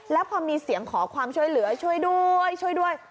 แล้วพอมีเสียงขอความช่วยเหลือช่วยด้วยช่วยด้วย